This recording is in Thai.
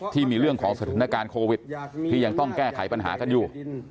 ที่มีเรื่องของสถานการณ์โควิดที่ยังต้องแก้ไขปัญหากันอยู่